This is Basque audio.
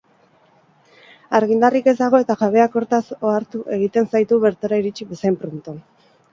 Argindarrik ez dago eta jabeak hortaz ohartu egiten zaitu bertara iritsi bezain pronto.